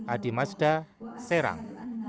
adi mazda serang